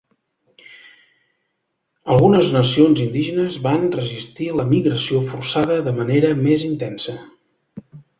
Algunes nacions indígenes van resistir la migració forçada de manera més intensa.